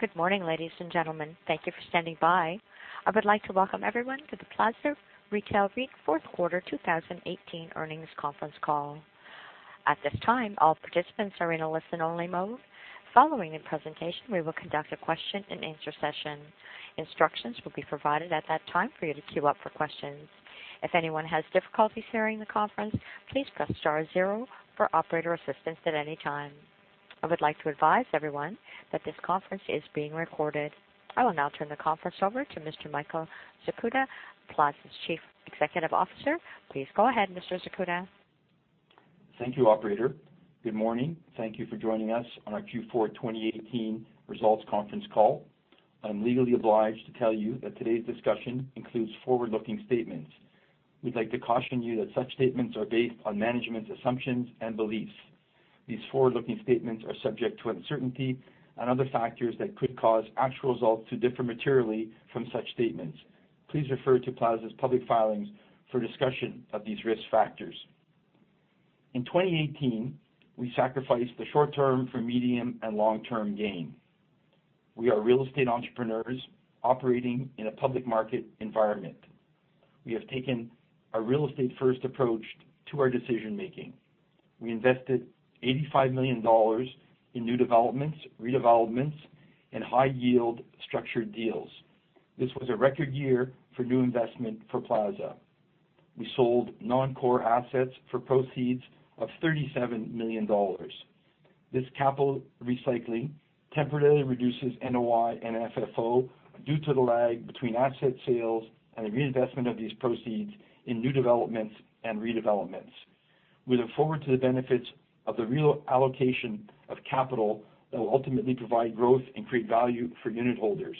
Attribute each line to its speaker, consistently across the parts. Speaker 1: Good morning, ladies and gentlemen. Thank you for standing by. I would like to welcome everyone to the Plaza Retail REIT Fourth Quarter 2018 Earnings Conference Call. At this time, all participants are in a listen-only mode. Following the presentation, we will conduct a question and answer session. Instructions will be provided at that time for you to queue up for questions. If anyone has difficulties hearing the conference, please press star zero for operator assistance at any time. I would like to advise everyone that this conference is being recorded. I will now turn the conference over to Mr. Michael Zakuta, Plaza's Chief Executive Officer. Please go ahead, Mr. Zakuta.
Speaker 2: Thank you, operator. Good morning. Thank you for joining us on our Q4 2018 results conference call. I am legally obliged to tell you that today's discussion includes forward-looking statements. We would like to caution you that such statements are based on management's assumptions and beliefs. These forward-looking statements are subject to uncertainty and other factors that could cause actual results to differ materially from such statements. Please refer to Plaza's public filings for a discussion of these risk factors. In 2018, we sacrificed the short-term for medium and long-term gain. We are real estate entrepreneurs operating in a public market environment. We have taken a real estate-first approach to our decision-making. We invested 85 million dollars in new developments, redevelopments, and high-yield structured deals. This was a record year for new investment for Plaza. We sold non-core assets for proceeds of 37 million dollars. This capital recycling temporarily reduces NOI and FFO due to the lag between asset sales and the reinvestment of these proceeds in new developments and redevelopments. We look forward to the benefits of the reallocation of capital that will ultimately provide growth and create value for unitholders.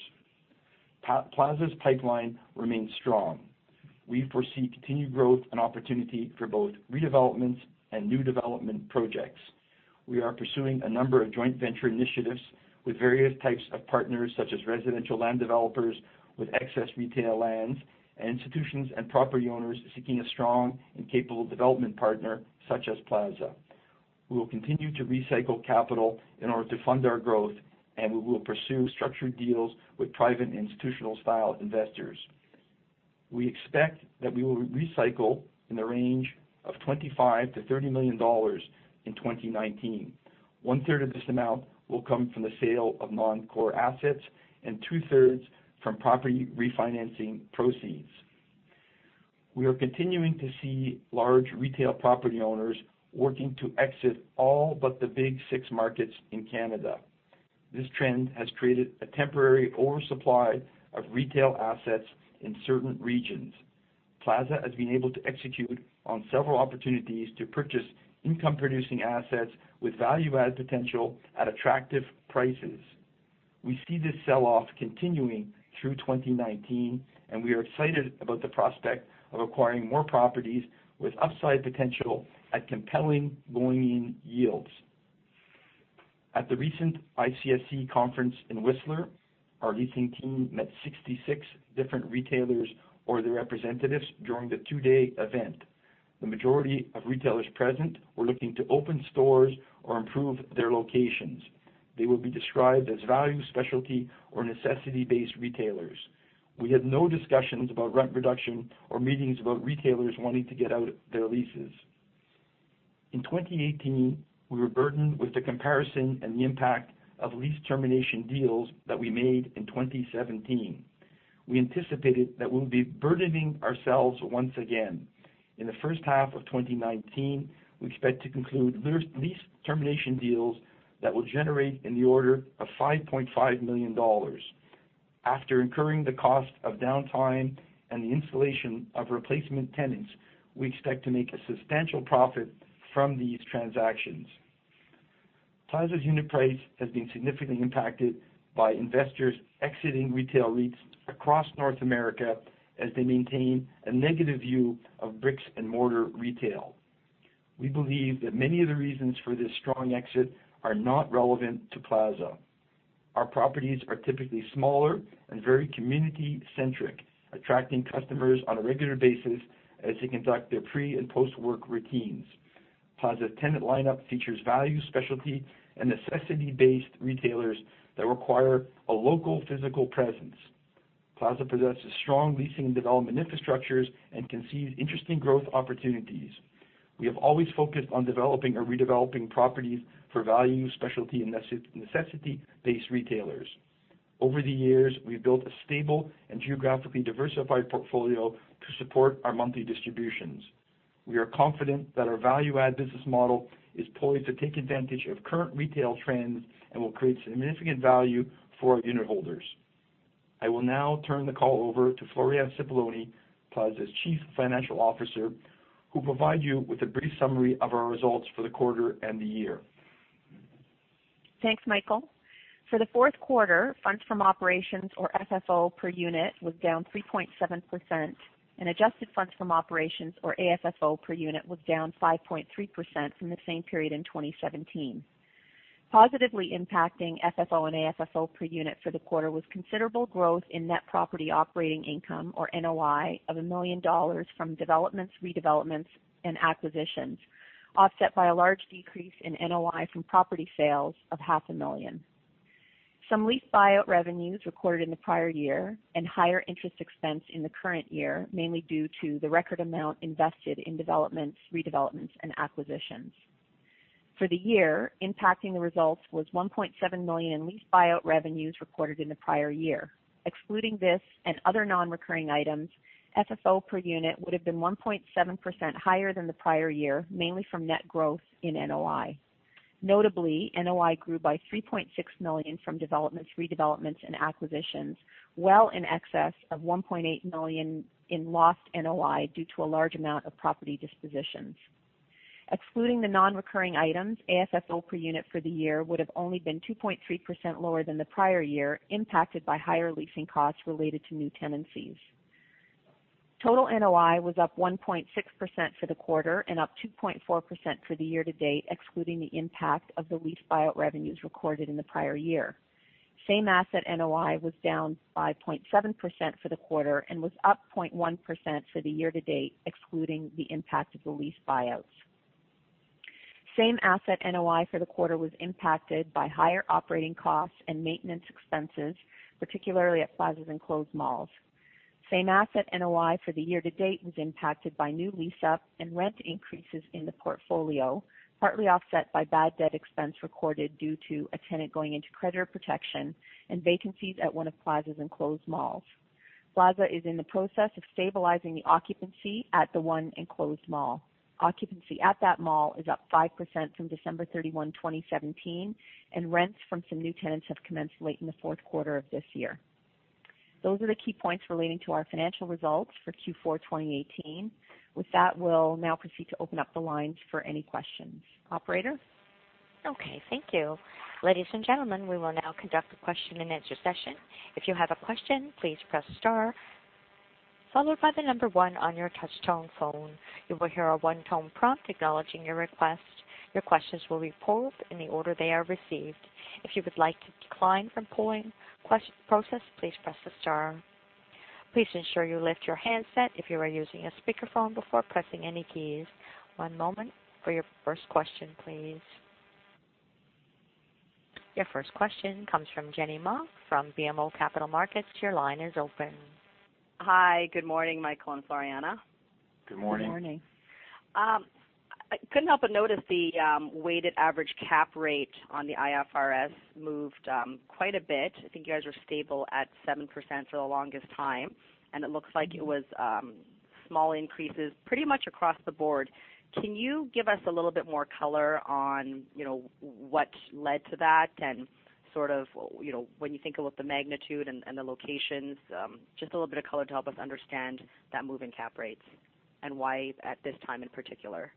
Speaker 2: Plaza's pipeline remains strong. We foresee continued growth and opportunity for both redevelopments and new development projects. We are pursuing a number of joint venture initiatives with various types of partners, such as residential land developers with excess retail lands and institutions and property owners seeking a strong and capable development partner such as Plaza. We will continue to recycle capital in order to fund our growth, and we will pursue structured deals with private institutional-style investors. We expect that we will recycle in the range of 25 million-30 million dollars in 2019. One-third of this amount will come from the sale of non-core assets and two-thirds from property refinancing proceeds. We are continuing to see large retail property owners working to exit all but the big six markets in Canada. This trend has created a temporary oversupply of retail assets in certain regions. Plaza has been able to execute on several opportunities to purchase income-producing assets with value-add potential at attractive prices. We see this sell-off continuing through 2019, and we are excited about the prospect of acquiring more properties with upside potential at compelling going yields. At the recent ICSC conference in Whistler, our leasing team met 66 different retailers or their representatives during the two-day event. The majority of retailers present were looking to open stores or improve their locations. They will be described as value, specialty, or necessity-based retailers. We had no discussions about rent reduction or meetings about retailers wanting to get out their leases. In 2018, we were burdened with the comparison and the impact of lease termination deals that we made in 2017. We anticipated that we'll be burdening ourselves once again. In the first half of 2019, we expect to conclude lease termination deals that will generate in the order of 5.5 million dollars. After incurring the cost of downtime and the installation of replacement tenants, we expect to make a substantial profit from these transactions. Plaza's unit price has been significantly impacted by investors exiting retail REITs across North America as they maintain a negative view of bricks and mortar retail. We believe that many of the reasons for this strong exit are not relevant to Plaza. Our properties are typically smaller and very community-centric, attracting customers on a regular basis as they conduct their pre- and post-work routines. Plaza's tenant lineup features value, specialty, and necessity-based retailers that require a local physical presence. Plaza possesses strong leasing and development infrastructures and can seize interesting growth opportunities. We have always focused on developing or redeveloping properties for value, specialty, and necessity-based retailers. Over the years, we've built a stable and geographically diversified portfolio to support our monthly distributions. We are confident that our value-add business model is poised to take advantage of current retail trends and will create significant value for our unitholders. I will now turn the call over to Floriana Cipollone, Plaza's Chief Financial Officer, who will provide you with a brief summary of our results for the quarter and the year.
Speaker 3: Thanks, Michael. For the fourth quarter, funds from operations or FFO per unit was down 3.7%, and adjusted funds from operations or AFFO per unit was down 5.3% from the same period in 2017. Positively impacting FFO and AFFO per unit for the quarter was considerable growth in net property operating income or NOI of 1 million dollars from developments, redevelopments, and acquisitions, offset by a large decrease in NOI from property sales of half a million. Some lease buyout revenues recorded in the prior year and higher interest expense in the current year, mainly due to the record amount invested in developments, redevelopments, and acquisitions. For the year, impacting the results was 1.7 million in lease buyout revenues recorded in the prior year. Excluding this and other non-recurring items, FFO per unit would've been 1.7% higher than the prior year, mainly from net growth in NOI. Notably, NOI grew by 3.6 million from developments, redevelopments, and acquisitions, well in excess of 1.8 million in lost NOI due to a large amount of property dispositions. Excluding the non-recurring items, AFFO per unit for the year would've only been 2.3% lower than the prior year, impacted by higher leasing costs related to new tenancies. Total NOI was up 1.6% for the quarter and up 2.4% for the year-to-date, excluding the impact of the lease buyout revenues recorded in the prior year. Same-asset NOI was down by 5.7% for the quarter and was up 0.1% for the year-to-date, excluding the impact of the lease buyouts. Same-asset NOI for the quarter was impacted by higher operating costs and maintenance expenses, particularly at Plaza's enclosed malls. Same-asset NOI for the year-to-date was impacted by new lease-up and rent increases in the portfolio, partly offset by bad debt expense recorded due to a tenant going into creditor protection and vacancies at one of Plaza's enclosed malls. Plaza is in the process of stabilizing the occupancy at the one enclosed mall. Occupancy at that mall is up 5% from December 31, 2017, and rents from some new tenants have commenced late in the fourth quarter of this year. Those are the key points relating to our financial results for Q4 2018. With that, we will now proceed to open up the lines for any questions. Operator?
Speaker 1: Okay, thank you. Ladies and gentlemen, we will now conduct a question-and-answer session. If you have a question, please press star, followed by the number one on your touch-tone phone. You will hear a one-tone prompt acknowledging your request. Your questions will be polled in the order they are received. If you would like to decline from polling process, please press star. Please ensure you lift your handset if you are using a speakerphone before pressing any keys. One moment for your first question, please. Your first question comes from Jenny Ma from BMO Capital Markets. Your line is open.
Speaker 4: Hi. Good morning, Michael and Floriana.
Speaker 3: Good morning.
Speaker 4: I couldn't help but notice the weighted average cap rate on the IFRS moved quite a bit. I think you guys were stable at 7% for the longest time. It looks like it was small increases pretty much across the board. Can you give us a little bit more color on what led to that and sort of when you think about the magnitude and the locations, just a little bit of color to help us understand that move in cap rates and why at this time in particular?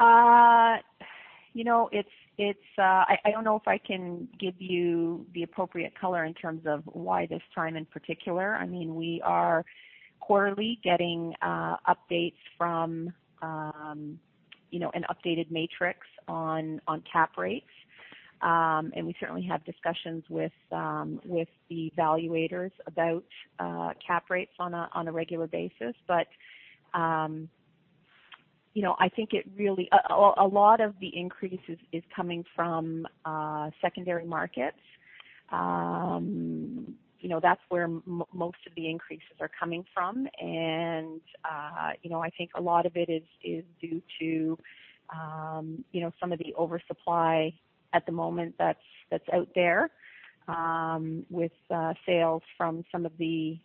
Speaker 3: I don't know if I can give you the appropriate color in terms of why this time in particular. We are quarterly getting updates from an updated matrix on cap rates. We certainly have discussions with the evaluators about cap rates on a regular basis. I think a lot of the increases is coming from secondary markets. That's where most of the increases are coming from. I think a lot of it is due to some of the oversupply at the moment that's out there with sales from some of the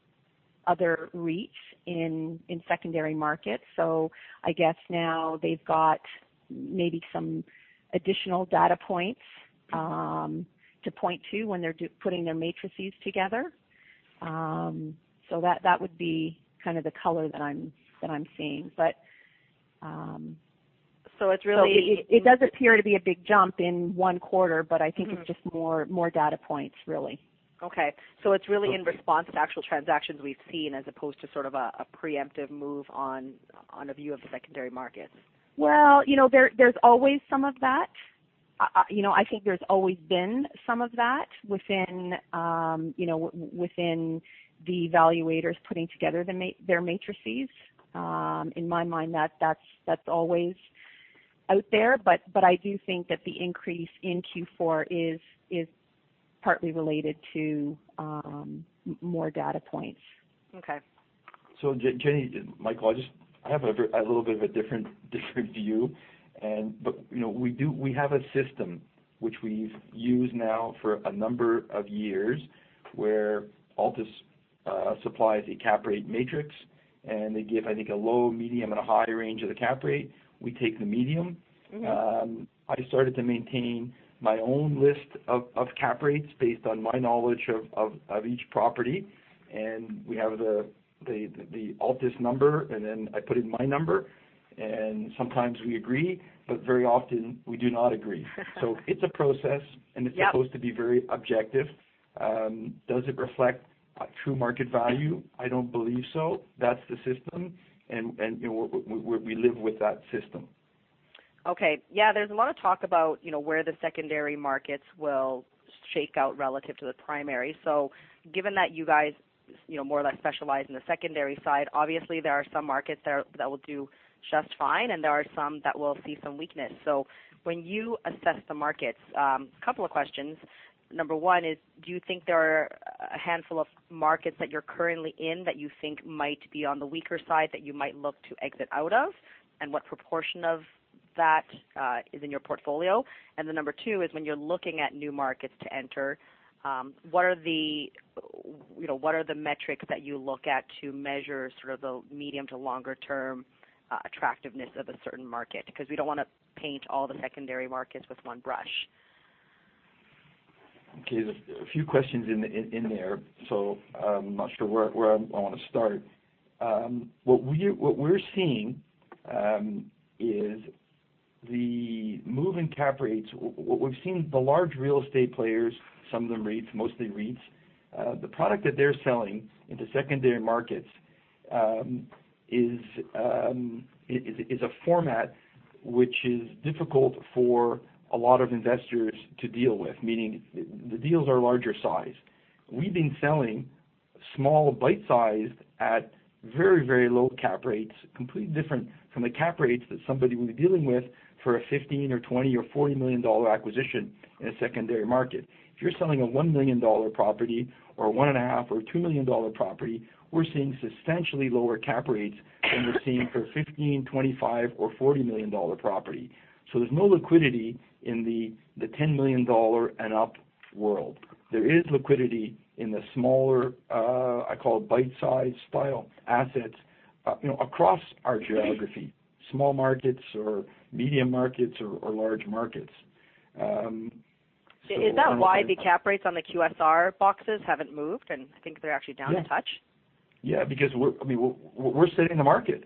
Speaker 3: other REITs in secondary markets. I guess now they've got maybe some additional data points to point to when they're putting their matrices together. That would be kind of the color that I'm seeing.
Speaker 4: It's really..
Speaker 3: It does appear to be a big jump in one quarter, but I think it's just more data points really.
Speaker 4: Okay. It's really in response to actual transactions we've seen as opposed to sort of a preemptive move on a view of the secondary markets.
Speaker 3: There's always some of that. I think there's always been some of that within the evaluators putting together their matrices. In my mind, that's always out there, but I do think that the increase in Q4 is partly related to more data points.
Speaker 4: Okay.
Speaker 2: Jenny, Michael, I have a little bit of a different view. We have a system which we've used now for a number of years where Altus supplies a cap rate matrix, and they give, I think, a low, medium, and a high range of the cap rate. We take the medium. I started to maintain my own list of cap rates based on my knowledge of each property, and we have the Altus number, and then I put in my number, and sometimes we agree, but very often we do not agree. It's a process, and it's supposed to be very objective. Does it reflect true market value? I don't believe so. That's the system, and we live with that system.
Speaker 4: Yeah, there's a lot of talk about where the secondary markets will shakeout relative to the primary. Given that you guys more or less specialize in the secondary side, obviously there are some markets that will do just fine, and there are some that will see some weakness. When you assess the markets, couple of questions. Number one is, do you think there are a handful of markets that you're currently in that you think might be on the weaker side that you might look to exit out of? And what proportion of that is in your portfolio? And then number two is when you're looking at new markets to enter, what are the metrics that you look at to measure sort of the medium to longer term attractiveness of a certain market? We don't want to paint all the secondary markets with one brush.
Speaker 2: There's a few questions in there, I'm not sure where I want to start. What we're seeing is the move in cap rates. What we've seen, the large real estate players, some of them REITs, mostly REITs, the product that they're selling into secondary markets is a format which is difficult for a lot of investors to deal with, meaning the deals are larger size. We've been selling small bite size at very low cap rates, completely different from the cap rates that somebody would be dealing with for a 15 million or 20 million or 40 million dollar acquisition in a secondary market. If you're selling a 1 million dollar property or 1.5 million or 2 million dollar property, we're seeing substantially lower cap rates than we're seeing for 15 million, 25 million, or 40 million dollar property. There's no liquidity in the 10 million dollar and up world. There is liquidity in the smaller, I call it bite-size style assets, across our geography, small markets or medium markets or large markets.
Speaker 4: Is that why the cap rates on the QSR boxes haven't moved, I think they're actually down a touch?
Speaker 2: Yeah, because we're setting the market.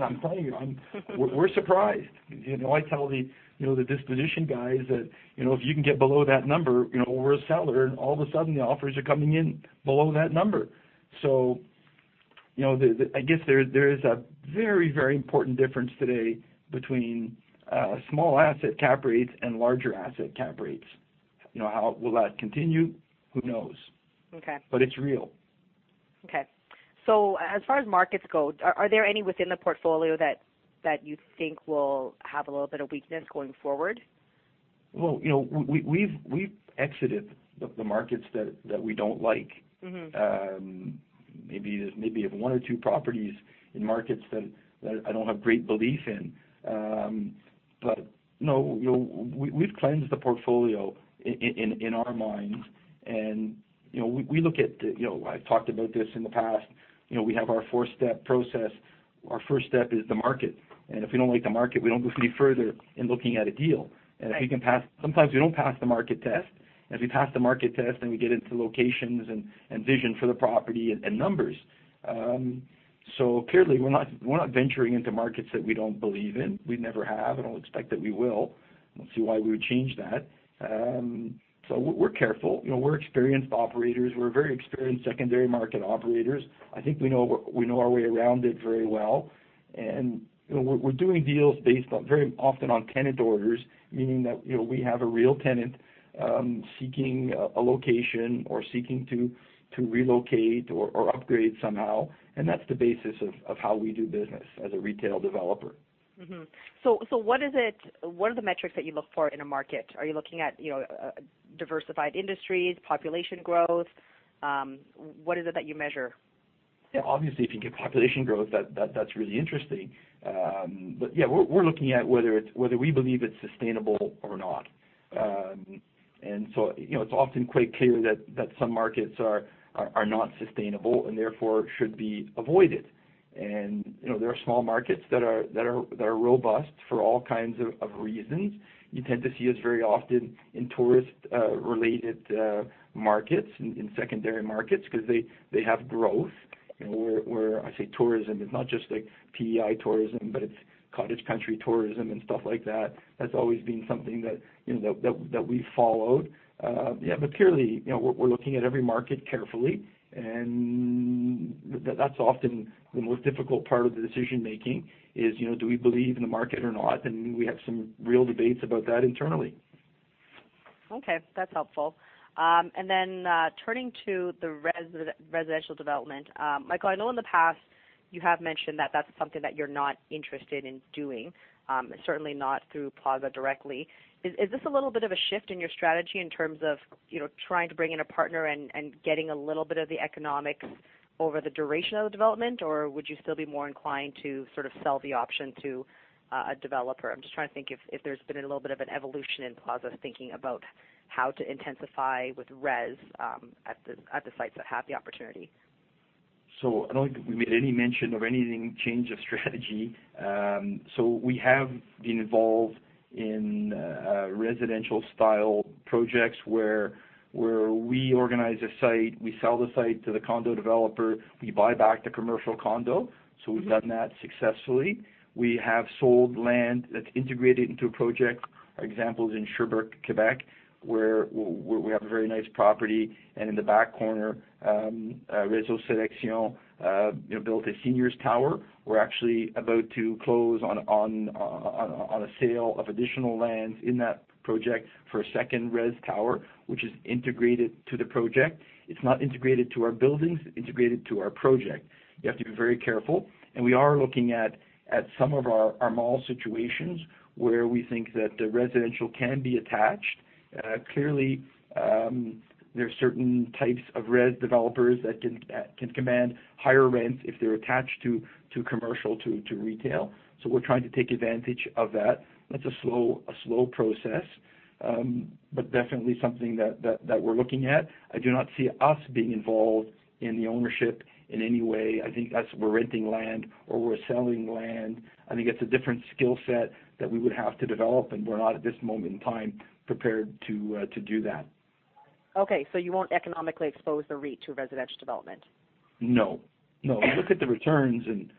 Speaker 2: I'm telling you, we're surprised. I tell the disposition guys that if you can get below that number, we're a seller, and all of a sudden, the offers are coming in below that number. I guess there is a very important difference today between small asset cap rates and larger asset cap rates. How will that continue? Who knows?
Speaker 4: Okay.
Speaker 2: It's real.
Speaker 4: Okay. As far as markets go, are there any within the portfolio that you think will have a little bit of weakness going forward?
Speaker 2: Well, we've exited the markets that we don't like. Maybe have one or two properties in markets that I don't have great belief in. No, we've cleansed the portfolio in our minds. I've talked about this in the past, we have our four-step process. Our first step is the market, and if we don't like the market, we don't go any further in looking at a deal. Sometimes we don't pass the market test. As we pass the market test, we get into locations and vision for the property and numbers. Clearly we're not venturing into markets that we don't believe in. We never have, I don't expect that we will. I don't see why we would change that. We're careful. We're experienced operators. We're very experienced secondary market operators. I think we know our way around it very well, and we're doing deals based very often on tenant orders, meaning that we have a real tenant seeking a location or seeking to relocate or upgrade somehow, and that's the basis of how we do business as a retail developer.
Speaker 4: What are the metrics that you look for in a market? Are you looking at diversified industries, population growth? What is it that you measure?
Speaker 2: Obviously if you get population growth, that's really interesting. We're looking at whether we believe it's sustainable or not. It's often quite clear that some markets are not sustainable and therefore should be avoided. There are small markets that are robust for all kinds of reasons. You tend to see us very often in tourist-related markets, in secondary markets, because they have growth. Where I say tourism, it's not just like PEI tourism, but it's cottage country tourism and stuff like that. That's always been something that we've followed. Clearly, we're looking at every market carefully, and that's often the most difficult part of the decision making is do we believe in the market or not? We have some real debates about that internally.
Speaker 4: Okay, that's helpful. Turning to the residential development. Michael, I know in the past you have mentioned that that's something that you're not interested in doing, certainly not through Plaza directly. Is this a little bit of a shift in your strategy in terms of trying to bring in a partner and getting a little bit of the economics over the duration of the development? Or would you still be more inclined to sort of sell the option to a developer? I'm just trying to think if there's been a little bit of an evolution in Plaza's thinking about how to intensify with res at the sites that have the opportunity.
Speaker 2: I don't think we made any mention of anything change of strategy. We have been involved in residential style projects where we organize a site, we sell the site to the condo developer, we buy back the commercial condo. We've done that successfully. We have sold land that's integrated into a project. Examples in Sherbrooke, Quebec, where we have a very nice property, and in the back corner, Réseau Sélection built a seniors tower. We're actually about to close on a sale of additional lands in that project for a second res tower, which is integrated to the project. It's not integrated to our buildings. It's integrated to our project. You have to be very careful, and we are looking at some of our mall situations where we think that the residential can be attached. Clearly, there are certain types of res developers that can command higher rents if they're attached to commercial, to retail. We're trying to take advantage of that. That's a slow process, but definitely something that we're looking at. I do not see us being involved in the ownership in any way. I think that's we're renting land or we're selling land. I think that's a different skill set that we would have to develop, and we're not, at this moment in time, prepared to do that.
Speaker 4: Okay. You won't economically expose the REIT to residential development?
Speaker 2: No. You look at the returns, and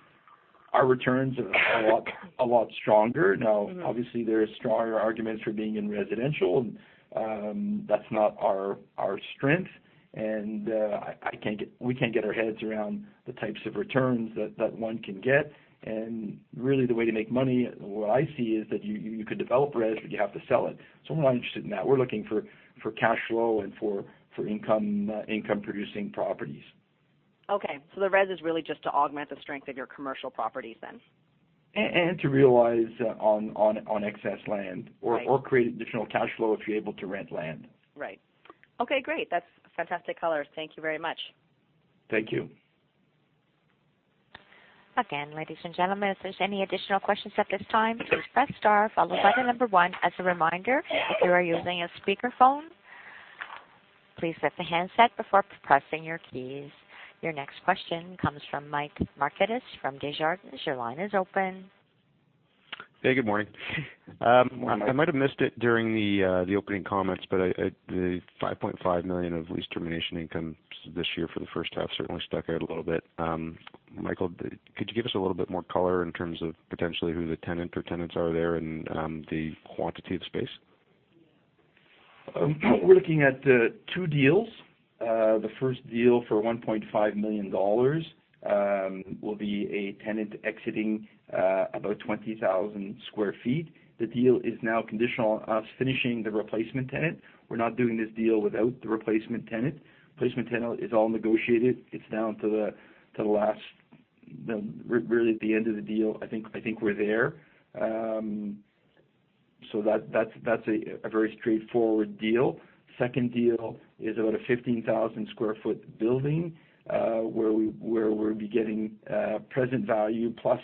Speaker 2: our returns are a lot stronger. Obviously, there are stronger arguments for being in residential. That's not our strength, and we can't get our heads around the types of returns that one can get. Really, the way to make money, what I see, is that you could develop res, but you have to sell it. We're not interested in that. We're looking for cash flow and for income-producing properties.
Speaker 4: Okay. The res is really just to augment the strength of your commercial properties then?
Speaker 2: To realize on excess land or create additional cash flow if you're able to rent land.
Speaker 4: Right. Okay, great. That's fantastic color. Thank you very much.
Speaker 2: Thank you.
Speaker 1: Again, ladies and gentlemen, if there's any additional questions at this time, please press star followed by the number one. As a reminder, if you are using a speakerphone, please set the handset before pressing your keys. Your next question comes from Michael Markidis from Desjardins. Your line is open.
Speaker 5: Hey, good morning.
Speaker 2: Good morning.
Speaker 5: I might have missed it during the opening comments, the 5.5 million of lease termination income this year for the first half certainly stuck out a little bit. Michael, could you give us a little bit more color in terms of potentially who the tenant or tenants are there and the quantity of space?
Speaker 2: We're looking at two deals. The first deal for 1.5 million dollars will be a tenant exiting about 20,000 sq ft. The deal is now conditional on us finishing the replacement tenant. We're not doing this deal without the replacement tenant. Replacement tenant is all negotiated. It's down to the last Really at the end of the deal. I think we're there. That's a very straightforward deal. Second deal is about a 15,000 sq ft building, where we'll be getting present value plus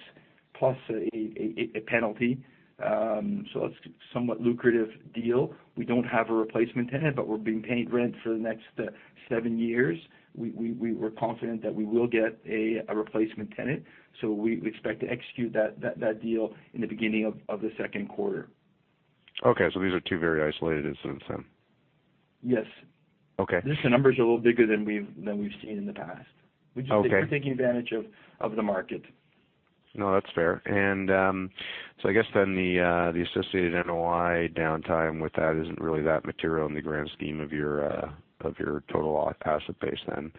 Speaker 2: a penalty. That's a somewhat lucrative deal. We don't have a replacement tenant, but we're being paid rent for the next seven years. We're confident that we will get a replacement tenant. We expect to execute that deal in the beginning of the second quarter.
Speaker 5: Okay. These are two very isolated incidents then?
Speaker 2: Yes.
Speaker 5: Okay.
Speaker 2: Just the numbers are a little bigger than we've seen in the past.
Speaker 5: Okay.
Speaker 2: We're just taking advantage of the market.
Speaker 5: No, that's fair. I guess then the associated NOI downtime with that isn't really that material in the grand scheme of your total asset base then.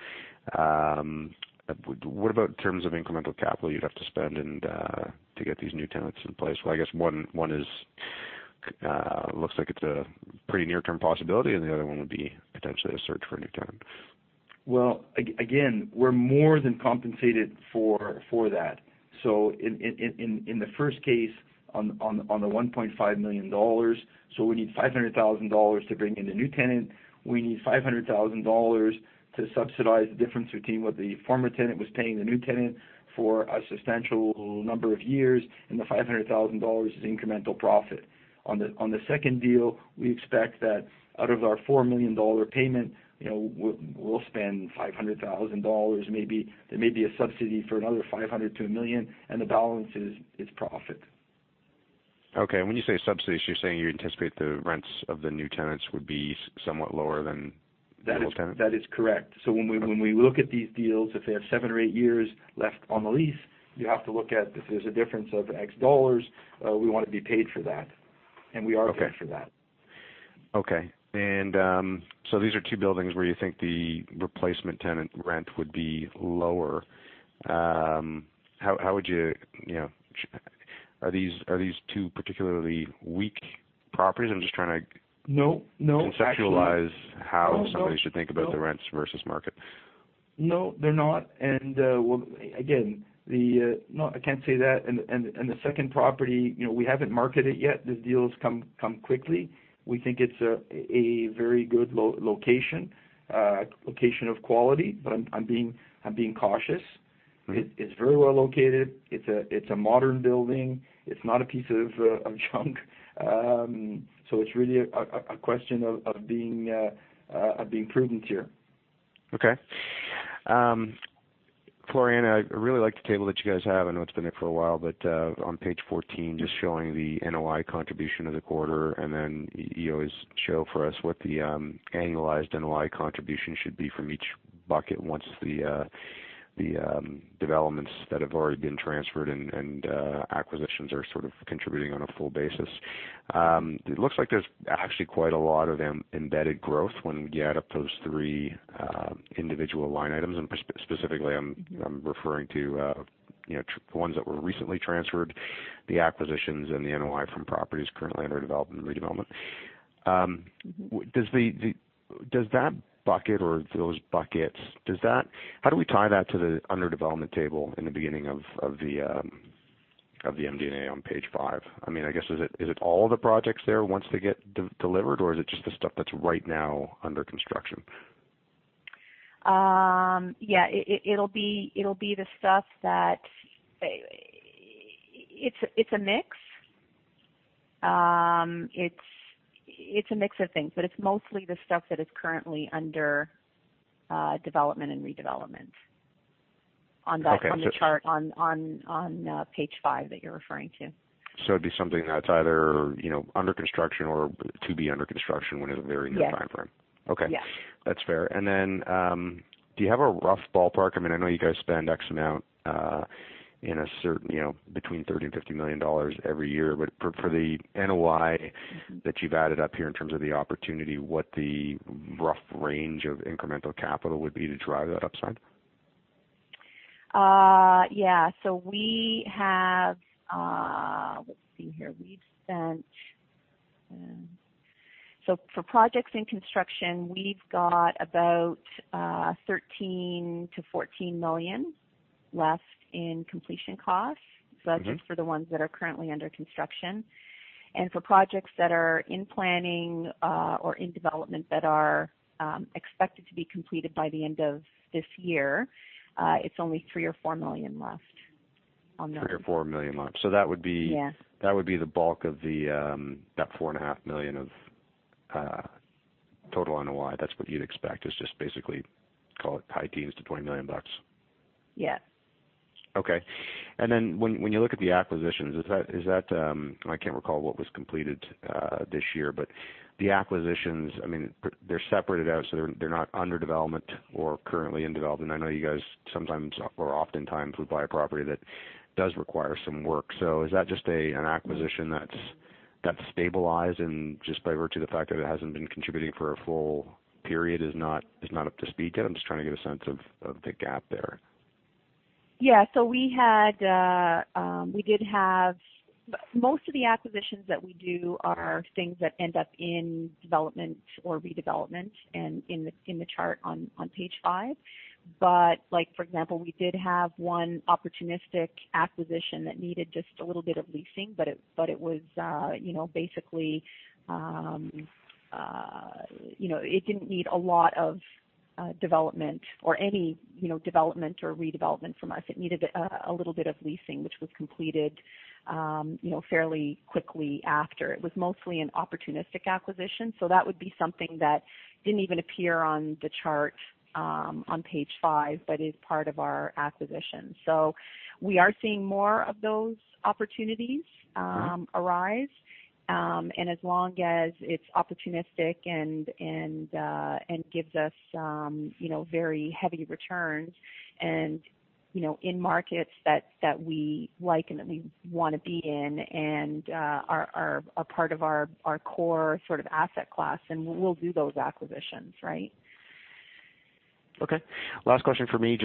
Speaker 5: What about in terms of incremental capital you'd have to spend to get these new tenants in place? Well, I guess one looks like it's a pretty near-term possibility, and the other one would be potentially a search for a new tenant.
Speaker 2: Well, again, we're more than compensated for that. In the first case, on the 1.5 million dollars, we need 500,000 dollars to bring in the new tenant. We need 500,000 dollars to subsidize the difference between what the former tenant was paying the new tenant for a substantial number of years, and the 500,000 dollars is incremental profit. On the second deal, we expect that out of our 4 million dollar payment, we'll spend 500,000 dollars maybe. There may be a subsidy for another 500,000-1 million, and the balance is profit.
Speaker 5: When you say subsidies, you're saying you anticipate the rents of the new tenants would be somewhat lower than the old tenant?
Speaker 2: That is correct. When we look at these deals, if they have seven or eight years left on the lease, you have to look at if there's a difference of X CAD, we want to be paid for that, and we are paid for that.
Speaker 5: Okay. These are two buildings where you think the replacement tenant rent would be lower. Are these two particularly weak properties?
Speaker 2: No
Speaker 5: I'm just trying to conceptualize how somebody should think about the rents versus market.
Speaker 2: No, they're not. Well, again, I can't say that. The second property, we haven't marketed yet. This deal's come quickly. We think it's a very good location of quality, but I'm being cautious. It's very well located. It's a modern building. It's not a piece of junk. It's really a question of being prudent here.
Speaker 5: Okay. Floriana, I really like the table that you guys have. I know it's been there for a while, but on page 14, just showing the NOI contribution of the quarter, then you always show for us what the annualized NOI contribution should be from each bucket once the developments that have already been transferred and acquisitions are sort of contributing on a full basis. It looks like there's actually quite a lot of embedded growth when you add up those three individual line items, and specifically, I'm referring to the ones that were recently transferred, the acquisitions and the NOI from properties currently under development and redevelopment. Does that bucket or those buckets, how do we tie that to the under development table in the beginning of the MD&A on page five. I guess, is it all the projects there once they get delivered, or is it just the stuff that's right now under construction?
Speaker 3: Yeah, it's a mix of things, but it's mostly the stuff that is currently under development and redevelopment.
Speaker 5: Okay
Speaker 3: on the chart on page five that you're referring to.
Speaker 5: It'd be something that's either under construction or to be under construction within a very near timeframe.
Speaker 3: Yes.
Speaker 5: Okay. That's fair. Do you have a rough ballpark? I know you guys spend X amount, between 30 million and 50 million dollars every year, but for the NOI that you've added up here in terms of the opportunity, what the rough range of incremental capital would be to drive that upside?
Speaker 3: Yeah. Let's see here. For projects in construction, we've got about 13 million-14 million left in completion costs. That's just for the ones that are currently under construction. For projects that are in planning or in development that are expected to be completed by the end of this year, it's only 3 million or 4 million left on those.
Speaker 5: 3 million or 4 million left.
Speaker 3: Yeah
Speaker 5: That would be the bulk of the, that 4.5 million of total NOI. That's what you'd expect is just basically, call it high teens to 20 million bucks.
Speaker 3: Yes.
Speaker 5: Okay. When you look at the acquisitions, I can't recall what was completed this year, but the acquisitions, they're separated out, so they're not under development or currently in development. I know you guys sometimes or oftentimes would buy a property that does require some work. Is that just an acquisition that's stabilized and just by virtue of the fact that it hasn't been contributing for a full period is not up to speed yet? I'm just trying to get a sense of the gap there.
Speaker 3: Yeah. Most of the acquisitions that we do are things that end up in development or redevelopment and in the chart on page five. For example, we did have one opportunistic acquisition that needed just a little bit of leasing, but it didn't need a lot of development or any development or redevelopment from us. It needed a little bit of leasing, which was completed fairly quickly after. It was mostly an opportunistic acquisition. That would be something that didn't even appear on the chart on page five, but is part of our acquisition. We are seeing more of those opportunities arise. As long as it's opportunistic and gives us very heavy returns and in markets that we like and that we want to be in and are a part of our core asset class, then we'll do those acquisitions, right?
Speaker 5: Okay. Last question from me,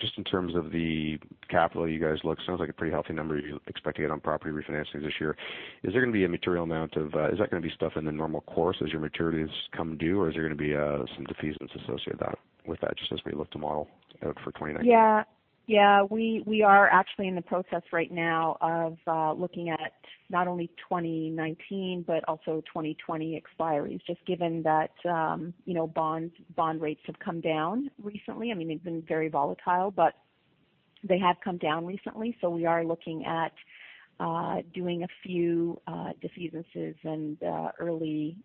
Speaker 5: just in terms of the capital, you guys, sounds like a pretty healthy number you expect to get on property refinancing this year. Is that going to be stuff in the normal course as your maturities come due, or is there going to be some defeasance associated with that, just as we look to model out for 2019?
Speaker 3: Yeah. We are actually in the process right now of looking at not only 2019 but also 2020 expiries, just given that bond rates have come down recently. They've been very volatile, but they have come down recently. We are looking at doing a few defeasances and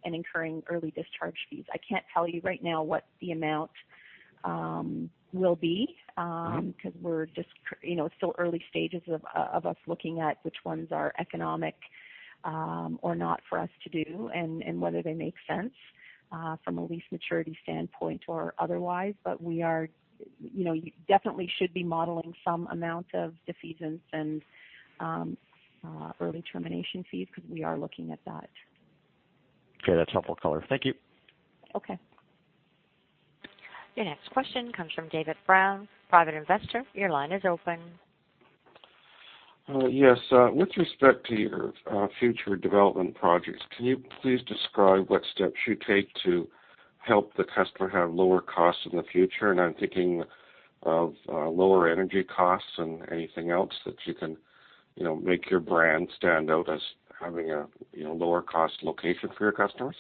Speaker 3: incurring early discharge fees. I can't tell you right now what the amount will be. Because we're just still early stages of us looking at which ones are economic or not for us to do, and whether they make sense from a lease maturity standpoint or otherwise. You definitely should be modeling some amount of defeasance and early termination fees because we are looking at that.
Speaker 5: Okay. That's helpful color. Thank you.
Speaker 3: Okay.
Speaker 1: Your next question comes from David Brown, Private Investor. Your line is open.
Speaker 6: Yes. With respect to your future development projects, can you please describe what steps you take to help the customer have lower costs in the future? I'm thinking of lower energy costs and anything else that you can make your brand stand out as having a lower cost location for your customers.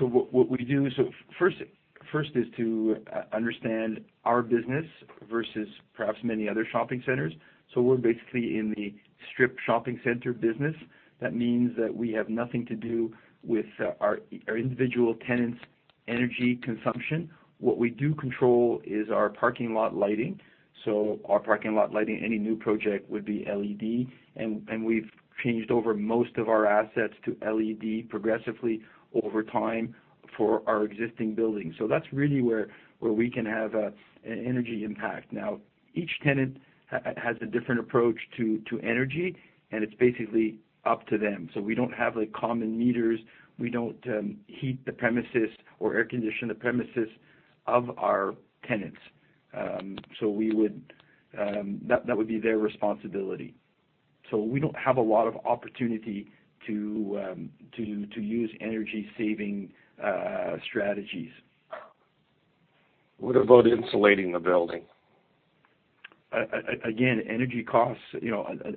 Speaker 2: What we do first is to understand our business versus perhaps many other shopping centers. We're basically in the strip shopping center business. That means that we have nothing to do with our individual tenants' energy consumption. What we do control is our parking lot lighting. Our parking lot lighting, any new project would be LED, and we've changed over most of our assets to LED progressively over time for our existing buildings. That's really where we can have an energy impact. Now, each tenant has a different approach to energy, and it's basically up to them. We don't have common meters. We don't heat the premises or air condition the premises of our tenants. That would be their responsibility. We don't have a lot of opportunity to use energy-saving strategies.
Speaker 6: What about insulating the building?
Speaker 2: Again, energy costs.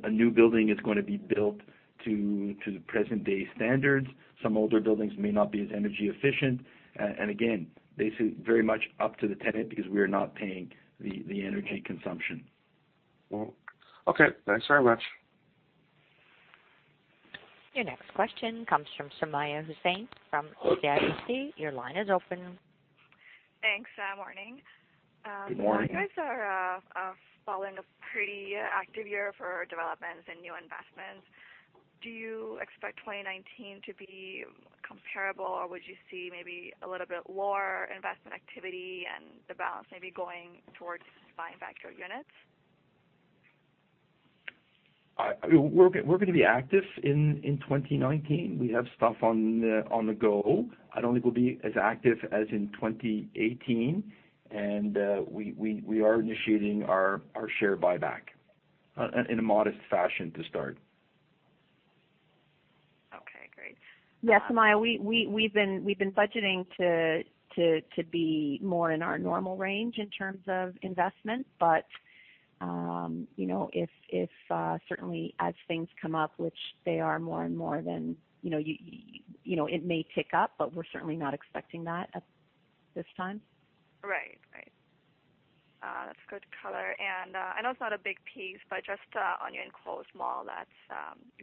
Speaker 2: A new building is going to be built to present-day standards. Some older buildings may not be as energy efficient. Again, basically very much up to the tenant because we are not paying the energy consumption.
Speaker 6: Well, okay. Thanks very much.
Speaker 1: Your next question comes from Sumayya Hussain from CIBC. Your line is open.
Speaker 7: Thanks. Morning.
Speaker 2: Good morning.
Speaker 7: You guys are following a pretty active year for developments and new investments. Do you expect 2019 to be comparable, or would you see maybe a little bit lower investment activity and the balance maybe going towards buying back your units?
Speaker 2: We're going to be active in 2019. We have stuff on the go. I don't think we'll be as active as in 2018. We are initiating our share buyback, in a modest fashion to start.
Speaker 7: Okay, great.
Speaker 3: Yes, Sumayya, we've been budgeting to be more in our normal range in terms of investment. Certainly, as things come up, which they are more and more, it may tick up, but we're certainly not expecting that at this time.
Speaker 7: Right. That's good color. I know it's not a big piece, but just on your enclosed mall that's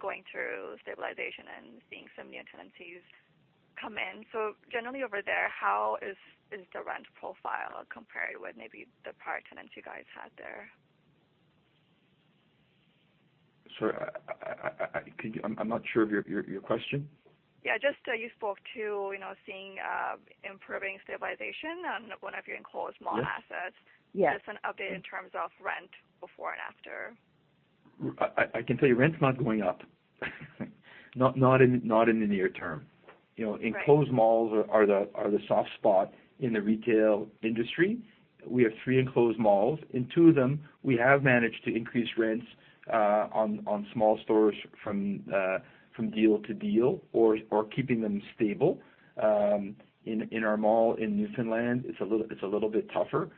Speaker 7: going through stabilization and seeing some new tenancies come in. Generally over there, how is the rent profile compared with maybe the prior tenants you guys had there?
Speaker 2: Sorry, I'm not sure of your question.
Speaker 7: Yeah, just you spoke to seeing improving stabilization on one of your enclosed mall assets.
Speaker 2: Yes.
Speaker 3: Yes.
Speaker 7: Just an update in terms of rent before and after.
Speaker 2: I can tell you rent's not going up. Not in the near term.
Speaker 7: Right.
Speaker 2: Enclosed malls are the soft spot in the retail industry. We have three enclosed malls. In two of them, we have managed to increase rents on small stores from deal to deal or keeping them stable. In our mall in Newfoundland, it's a little bit tougher.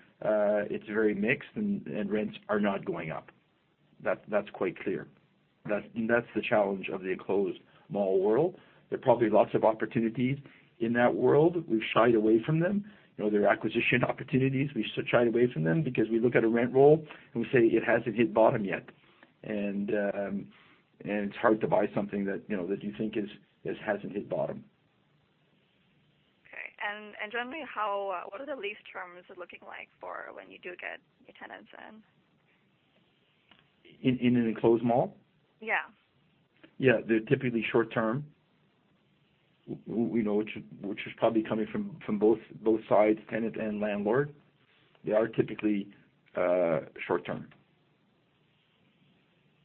Speaker 2: It's very mixed. Rents are not going up. That's quite clear. That's the challenge of the enclosed mall world. There are probably lots of opportunities in that world. We've shied away from them. There are acquisition opportunities. We shy away from them because we look at a rent roll, and we say, "It hasn't hit bottom yet." It's hard to buy something that you think hasn't hit bottom.
Speaker 7: Okay. Generally, what are the lease terms looking like for when you do get your tenants in?
Speaker 2: In an enclosed mall?
Speaker 7: Yeah.
Speaker 2: Yeah, they're typically short-term, which is probably coming from both sides, tenant and landlord. They are typically short-term.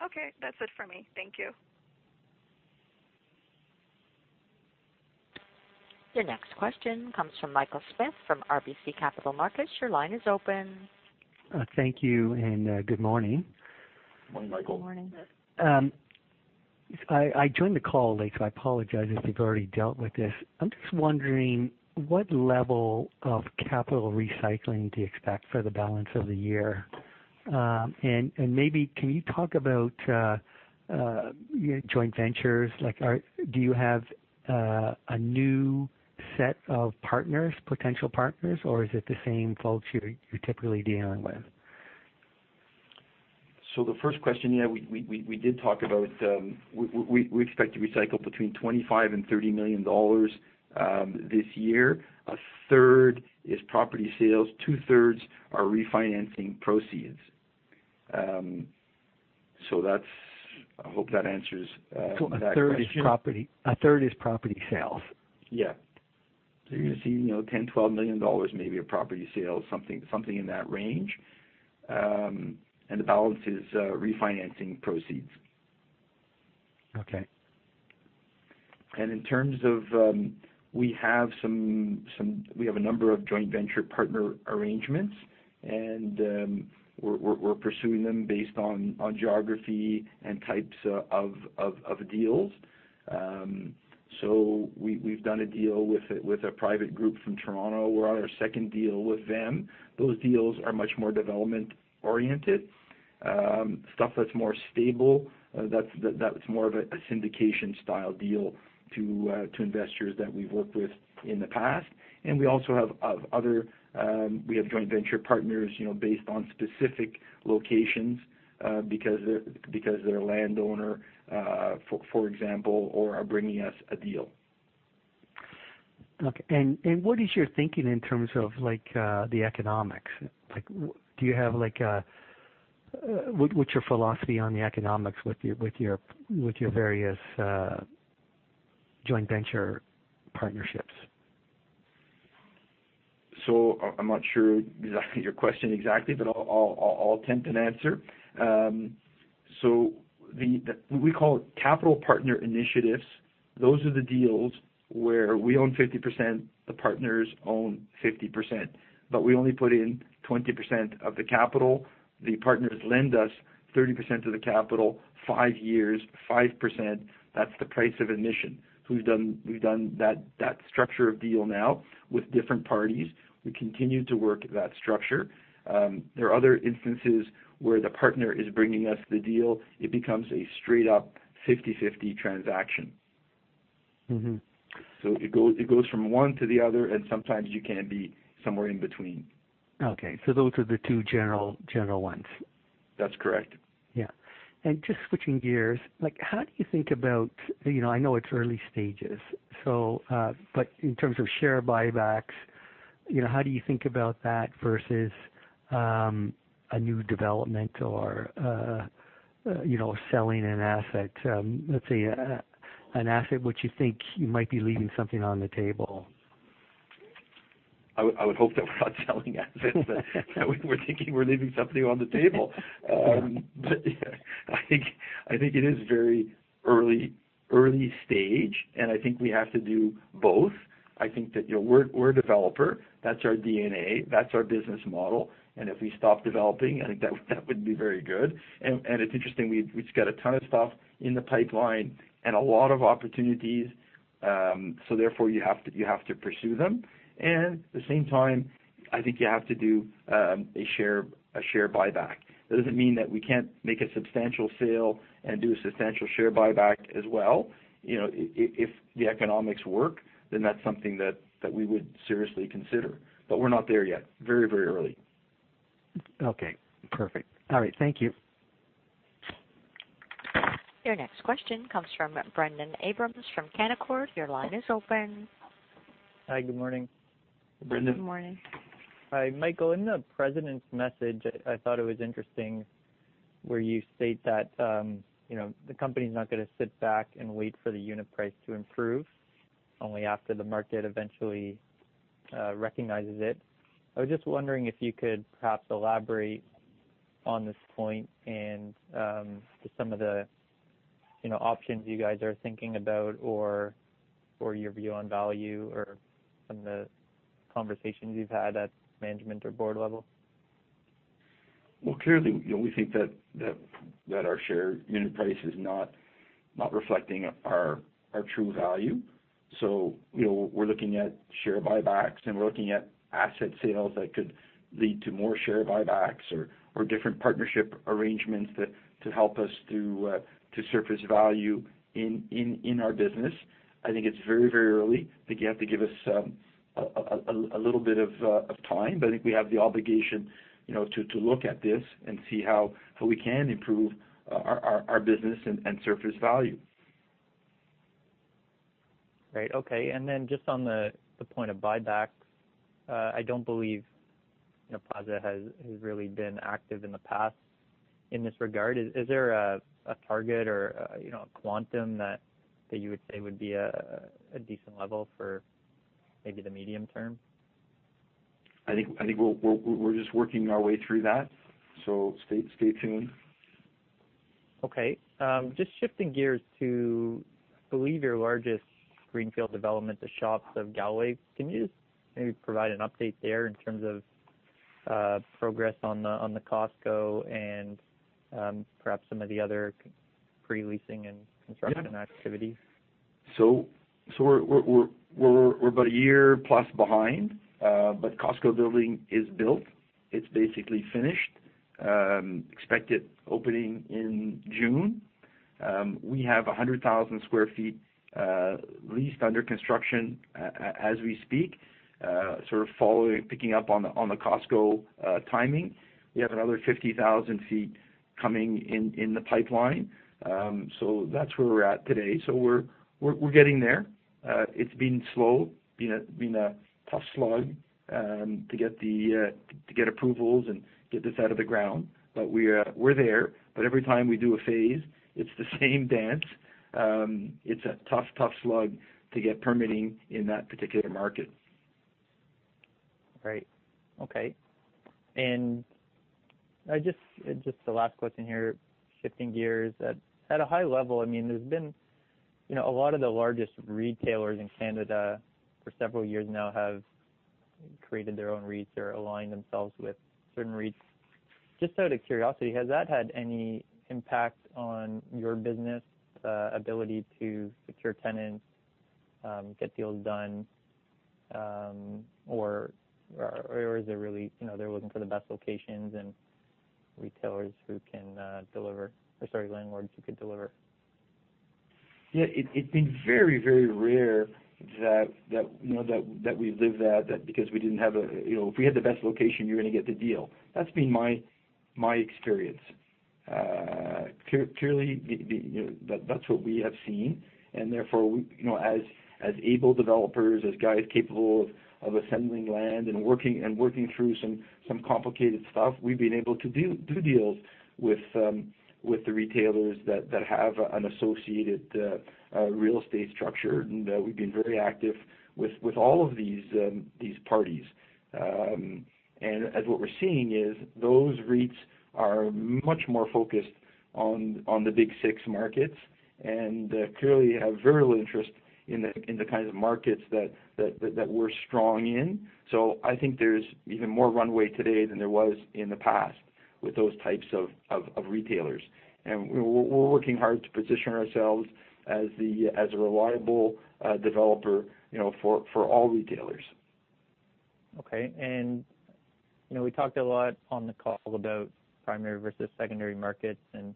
Speaker 7: Okay. That's it for me. Thank you.
Speaker 1: Your next question comes from Michael Smith from RBC Capital Markets. Your line is open.
Speaker 8: Thank you, good morning.
Speaker 2: Morning, Michael.
Speaker 3: Good morning.
Speaker 8: I joined the call late, so I apologize if you've already dealt with this. I'm just wondering what level of capital recycling do you expect for the balance of the year? Maybe can you talk about your joint ventures? Do you have a new set of potential partners, or is it the same folks you're typically dealing with?
Speaker 2: The first question, yeah, we did talk about, we expect to recycle between 25 million and 30 million dollars this year. A third is property sales, two-thirds are refinancing proceeds. I hope that answers that question.
Speaker 8: A third is property sales?
Speaker 2: Yeah. You're going to see 10 million, 12 million dollars, maybe a property sale, something in that range. The balance is refinancing proceeds.
Speaker 8: Okay.
Speaker 2: In terms of, we have a number of joint venture partner arrangements, we're pursuing them based on geography and types of deals. We've done a deal with a private group from Toronto. We're on our second deal with them. Those deals are much more development-oriented. Stuff that's more stable, that's more of a syndication-style deal to investors that we've worked with in the past. We also have joint venture partners based on specific locations, because they're a landowner, for example, or are bringing us a deal.
Speaker 8: Okay. What is your thinking in terms of the economics? What's your philosophy on the economics with your various joint venture partnerships?
Speaker 2: I'm not sure exactly your question, I'll attempt an answer. We call it capital partner initiatives. Those are the deals where we own 50%, the partners own 50%, but we only put in 20% of the capital. The partners lend us 30% of the capital, five years, 5%. That's the price of admission. We've done that structure of deal now with different parties. We continue to work that structure. There are other instances where the partner is bringing us the deal. It becomes a straight up 50/50 transaction. It goes from one to the other, and sometimes you can be somewhere in between.
Speaker 8: Okay, those are the two general ones.
Speaker 2: That's correct.
Speaker 8: Yeah. Just switching gears, how do you think about I know it's early stages, but in terms of share buybacks, how do you think about that versus a new development or selling an asset, let's say, an asset which you think you might be leaving something on the table?
Speaker 2: I would hope that we're not selling assets that we're thinking we're leaving something on the table. I think it is very early stage, and I think we have to do both. I think that we're a developer. That's our DNA, that's our business model, and if we stop developing, I think that wouldn't be very good. It's interesting, we've got a ton of stuff in the pipeline and a lot of opportunities, so therefore you have to pursue them. At the same time, I think you have to do a share buyback. That doesn't mean that we can't make a substantial sale and do a substantial share buyback as well. If the economics work, then that's something that we would seriously consider. We're not there yet. Very early.
Speaker 8: Okay, perfect. All right, thank you.
Speaker 1: Your next question comes from Brendon Abrams from Canaccord. Your line is open.
Speaker 9: Hi, good morning.
Speaker 2: Brendon.
Speaker 3: Good morning.
Speaker 9: Hi, Michael. In the President's Message, I thought it was interesting where you state that the company's not going to sit back and wait for the unit price to improve only after the market eventually recognizes it. I was wondering if you could perhaps elaborate on this point and some of the options you guys are thinking about or your view on value or some of the conversations you've had at management or board level.
Speaker 2: Clearly, we think that our share unit price is not reflecting our true value. We're looking at share buybacks, we're looking at asset sales that could lead to more share buybacks or different partnership arrangements to help us to surface value in our business. I think it's very early. I think you have to give us a little bit of time, I think we have the obligation to look at this and see how we can improve our business and surface value.
Speaker 9: On the point of buybacks, I don't believe Plaza has really been active in the past in this regard. Is there a target or a quantum that you would say would be a decent level for maybe the medium term?
Speaker 2: I think we're working our way through that, stay tuned.
Speaker 9: Okay. Just shifting gears to, I believe, your largest greenfield development, The Shoppes at Galway. Can you just maybe provide an update there in terms of progress on the Costco and perhaps some of the other pre-leasing and construction activities?
Speaker 2: We're about a year plus behind. Costco building is built. It's basically finished. Expected opening in June. We have 100,000 sq ft leased, under construction, as we speak, sort of following, picking up on the Costco timing. We have another 50,000 sq ft coming in the pipeline. That's where we're at today. We're getting there. It's been slow, been a tough slog to get approvals and get this out of the ground. We're there. Every time we do a phase, it's the same dance. It's a tough slog to get permitting in that particular market.
Speaker 9: Right. Okay. Just the last question here, shifting gears. At a high level, there's been a lot of the largest retailers in Canada for several years now have created their own REITs or aligned themselves with certain REITs. Just out of curiosity, has that had any impact on your business ability to secure tenants, get deals done, or is it really they're looking for the best locations and retailers who can deliver, or, sorry, landlords who could deliver?
Speaker 2: Yeah. It's been very rare that we've lived that because we didn't have a If we had the best location, you're going to get the deal. That's been my experience. Clearly, that's what we have seen, and therefore, as able developers, as guys capable of assembling land and working through some complicated stuff, we've been able to do deals with the retailers that have an associated real estate structure. We've been very active with all of these parties. As what we're seeing is those REITs are much more focused on the big six markets, and clearly have virulent interest in the kinds of markets that we're strong in. I think there's even more runway today than there was in the past with those types of retailers. We're working hard to position ourselves as a reliable developer for all retailers.
Speaker 9: Okay. We talked a lot on the call about primary versus secondary markets, I'm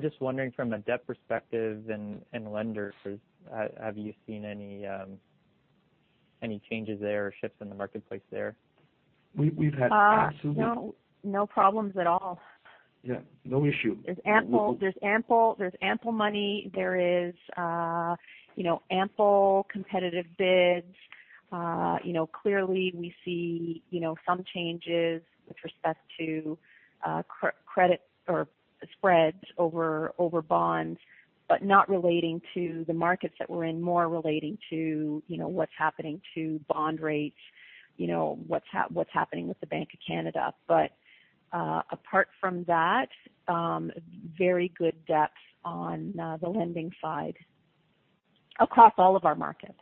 Speaker 9: just wondering from a debt perspective and lenders, have you seen any changes there or shifts in the marketplace there?
Speaker 2: We've had.
Speaker 3: No problems at all.
Speaker 2: Yeah. No issue.
Speaker 3: There's ample money. There is ample competitive bids. Clearly we see some changes with respect to credit or spreads over bonds, not relating to the markets that we're in, more relating to what's happening to bond rates, what's happening with the Bank of Canada. Apart from that, very good depth on the lending side across all of our markets.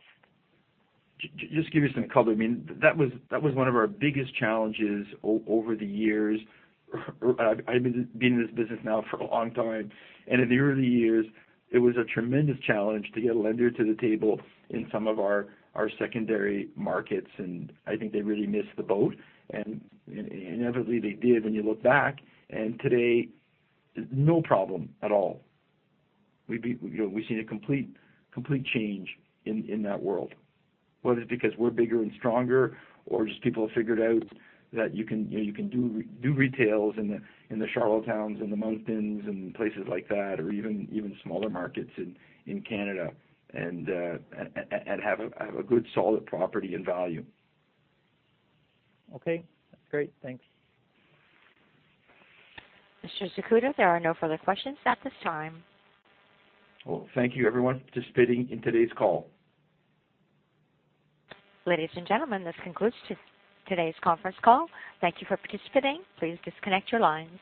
Speaker 2: Just give you some color. That was one of our biggest challenges over the years. I've been in this business now for a long time, in the early years, it was a tremendous challenge to get a lender to the table in some of our secondary markets, and I think they really missed the boat. Inevitably they did when you look back. Today, no problem at all. We've seen a complete change in that world, whether it's because we're bigger and stronger or just people have figured out that you can do retails in the Charlottetowns and the Monctons and places like that or even smaller markets in Canada and have a good, solid property and value.
Speaker 9: Okay. That's great. Thanks.
Speaker 1: Mr. Zakuta, there are no further questions at this time.
Speaker 2: Well, thank you everyone participating in today's call.
Speaker 1: Ladies and gentlemen, this concludes today's conference call. Thank you for participating. Please disconnect your lines.